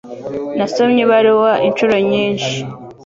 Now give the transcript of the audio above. Nasomye ibaruwa inshuro nyinshi.